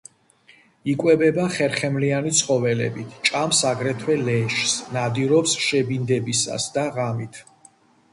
იკვებება ხერხემლიანი ცხოველებით, ჭამს აგრეთვე ლეშს, ნადირობს შებინდებისას და ღამით.